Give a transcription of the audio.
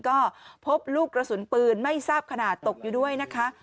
ก็พบลูกกระสุนปืนไม่ทราบขนาดตกอยู่ด้วยนะคะ